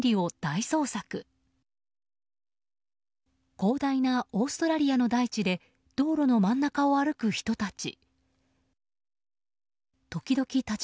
広大なオーストラリアの大地で道路の真ん中を歩く人たち。